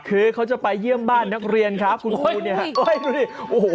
เขาเรียกว่าปลายุงน้ำหนัก